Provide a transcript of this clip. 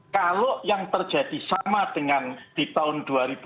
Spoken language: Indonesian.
kalau yang terjadi sama dengan di tahun dua ribu dua puluh